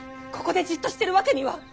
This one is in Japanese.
ここでじっとしてるわけには。